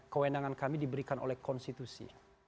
kewenangan kami diberikan oleh konstitusi